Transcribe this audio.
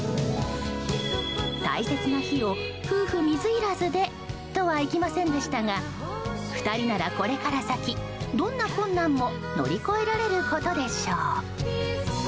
大切な日を夫婦水入らずでとはいきませんでしたが２人なら、これから先どんな困難も乗り越えられることでしょう。